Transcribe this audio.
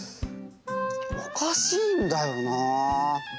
おかしいんだよな。